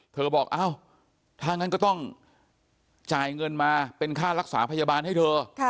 บอกอ้าวถ้างั้นก็ต้องจ่ายเงินมาเป็นค่ารักษาพยาบาลให้เธอ